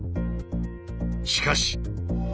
しかし。